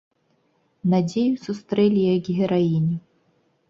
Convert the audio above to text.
Надзею сустрэлі як гераіню.